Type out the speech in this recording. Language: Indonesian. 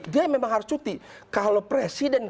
dia memang harus cuti kalau presiden